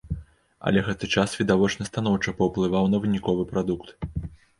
Але гэты час відавочна станоўча паўплываў на выніковы прадукт.